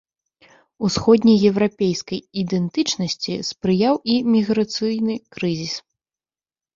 Усходнееўрапейскай ідэнтычнасці спрыяў і міграцыйны крызіс.